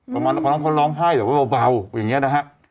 ประมาณว่าน้องคนร้องไห้แต่ว่าเบาอย่างนี้นะฮะ